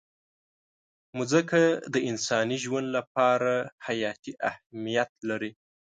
مځکه د انساني ژوند لپاره حیاتي اهمیت لري.